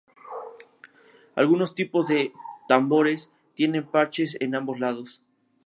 Algunos tipos de tambores tienen parches en ambos lados.